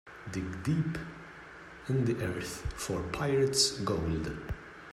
Dig deep in the earth for pirate's gold.